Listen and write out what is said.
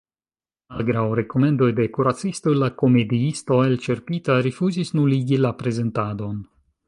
Malgraŭ rekomendoj de kuracistoj, la komediisto, elĉerpita, rifuzis nuligi la prezentadon.